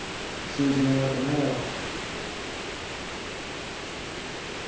通じねえわけないだろう。